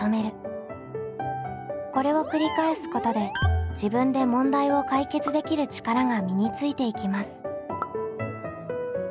これを繰り返すことで「自分で問題を解決できる力」が身についていきます。